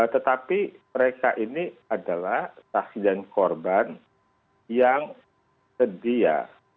tetapi mereka ini adalah saksi dan korban yang sedia